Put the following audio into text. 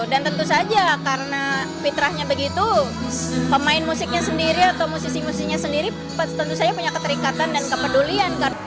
dan tentu saja karena fitrahnya begitu pemain musiknya sendiri atau musisi musiknya sendiri tentu saja punya keterikatan dan kepedulian